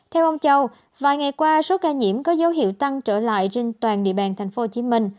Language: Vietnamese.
theo ông châu vài ngày qua số ca nhiễm có dấu hiệu tăng trở lại trên toàn địa bàn tp hcm